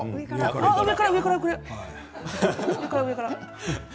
上から上から。